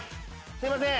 すいません。